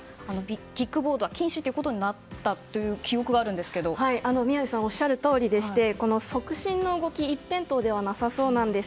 キックボードは禁止になったという宮司さんがおっしゃるとおりで促進の動き一辺倒ではなさそうです。